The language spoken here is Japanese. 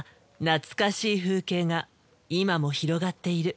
なつかしい風景が今も広がっている。